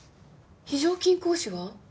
非常勤講師は？